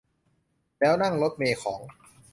แล้วนั่งรถเมล์ของ